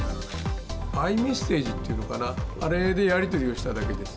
ｉＭｅｓｓａｇｅっていうのかな、あれでやり取りをしただけです。